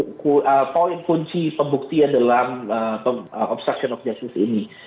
yang menjadi poin kunci pembuktian dalam obsession of jesus ini